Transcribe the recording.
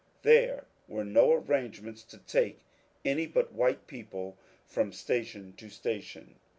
There were no arrangements to take any but white people from station to station.